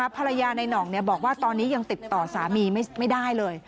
ภรรยาในห่องบอกว่าตอนนี้ยังติดต่อสามีไม่ได้เลย